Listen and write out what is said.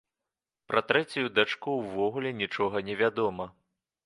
Пра трэцюю дачку ўвогуле нічога невядома.